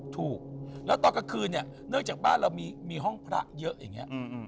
ถูกแล้วตอนกลางคืนเนี่ยเนื่องจากบ้านเรามีห้องพระเยอะอย่างนี้